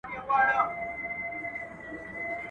تاریخ راتلونکی نسل روزي